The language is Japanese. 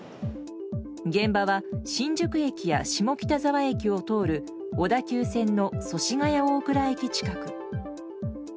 現場は、新宿駅や下北沢駅を通る小田急線の祖師ヶ谷大蔵駅近く。